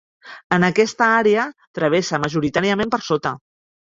En aquesta àrea, travessa majoritàriament per sota.